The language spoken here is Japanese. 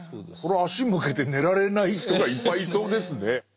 これ足向けて寝られない人がいっぱいいそうですね。